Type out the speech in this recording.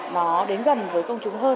nó đến gần với công chúng hơn